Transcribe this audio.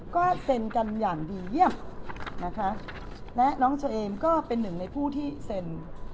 ก็เซ็นกันอย่างดีเยี่ยมนะคะและน้องเชอเอมก็เป็นหนึ่งในผู้ที่เซ็น